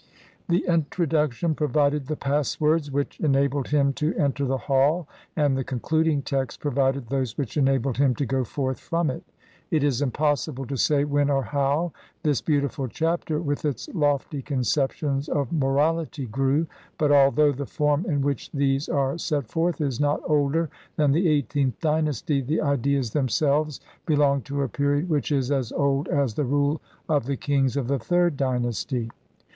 The Introduction provided the passwords which en abled him to enter the Hall, and the Concluding Text provided those which enabled him to go forth from it. It is impossible to say when or how this beautiful Chapter with its lofty conceptions of morality grew, but, although the form in which these are set forth is not older than the eighteenth dynasty, the ideas themselves belong to a period which is as old as the rule of the kings of the third dynasty.